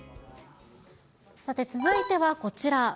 さて、続いてはこちら。